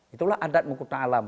itulah adat mengkutang alam